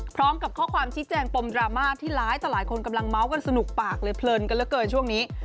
พร้อมกับข้อความชี้แจงปมดราม่าที่ร้ายต่อหลายคนกำลังเมาส์กันสนุกปากเลยเพลินกันเหลือเกินช่วงนี้